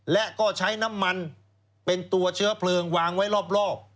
และก็ใช้น้ำมันเป็นตัวเชื้อเพลิงวางไว้รอบ